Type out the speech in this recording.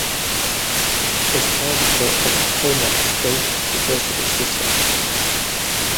It is part of the Oklahoma State University System.